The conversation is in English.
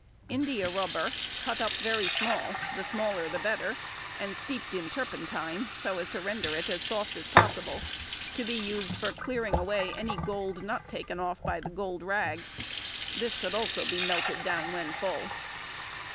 India rubber, cut up very small—the smaller the better—and steeped in turpentine, so as to render it as soft as possible, to be used for clearing away any gold not taken off by the gold rag. This should also be melted down when full.